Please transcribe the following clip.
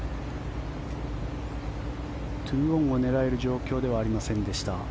２オンを狙える状況ではありませんでした。